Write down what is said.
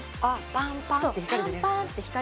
パンパンって光出るやつ？